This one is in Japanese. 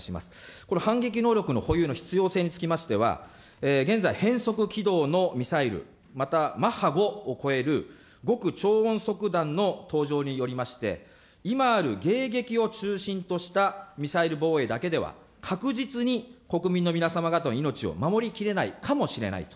これ、反撃能力の保有の必要性につきましては、現在、変則軌道のミサイル、またマッハ５を超える極超音速弾の登場によりまして、今ある迎撃を中心としたミサイル防衛だけでは、確実に国民の皆様方の命を守り切れないかもしれないと。